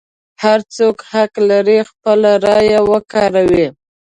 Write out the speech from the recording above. هر څوک حق لري خپله رایه وکاروي.